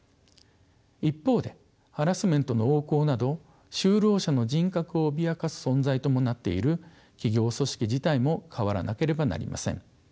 一方でハラスメントの横行など就労者の人格を脅かす存在ともなっている企業組織自体も変わらなければなりません。